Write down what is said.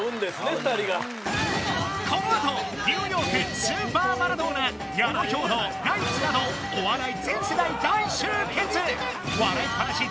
２人がこのあとニューヨークスーパーマラドーナ矢野・兵動ナイツなどお笑い